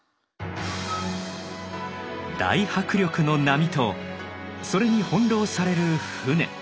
大迫力の波とそれに翻弄される舟。